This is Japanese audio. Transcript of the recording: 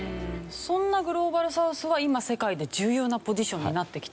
そんなグローバルサウスは今世界で重要なポジションになってきているんですね。